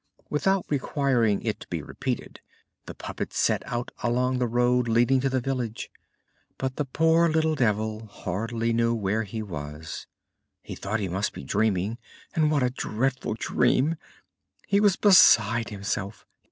Without requiring it to be repeated, the puppet set out along the road leading to the village. But the poor little devil hardly knew where he was. He thought he must be dreaming, and what a dreadful dream! He was beside himself.